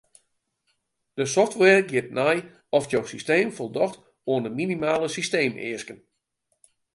De software giet nei oft jo systeem foldocht oan de minimale systeemeasken.